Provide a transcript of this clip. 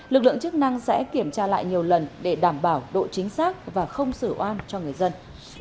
lực lượng chức năng sẽ kiểm tra lại nhiều lần để đảm bảo độ chính xác và không sử oan cho người dân